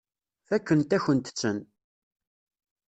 Fakkent-akent-ten.